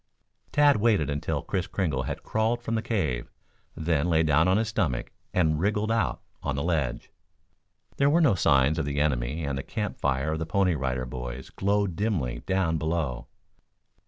Tad waited until Kris Kringle had crawled from the cave, then lay down on his stomach and wriggled out on the ledge. There were no signs of the enemy and the camp fire of the Pony Rider Boys glowed dimly down below.